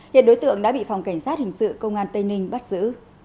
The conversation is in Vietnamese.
hiện đối tượng đã bị phòng cảnh sát hình sự công an tây ninh bắt giữ